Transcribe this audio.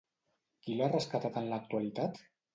Qui l'ha rescatat en l'actualitat?